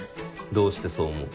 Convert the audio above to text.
どうしてそう思う？